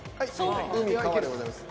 海川でございます。